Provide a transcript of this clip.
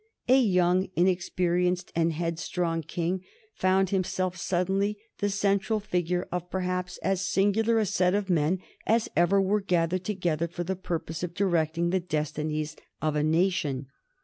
A young, inexperienced, and headstrong King found himself suddenly the central figure of perhaps as singular a set of men as ever were gathered together for the purpose of directing the destinies of a nation.